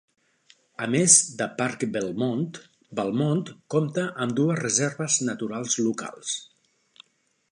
A més de parc Belmont, Belmont compta amb dues reserves naturals locals.